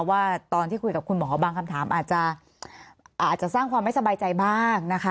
ว่าตอนที่คุยกับคุณหมอบางคำถามอาจจะสร้างความไม่สบายใจบ้างนะคะ